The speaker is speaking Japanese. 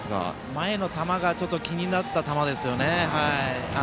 前の球がちょっと気になった球ですよね。